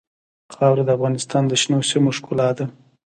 خاوره د افغانستان د شنو سیمو ښکلا ده.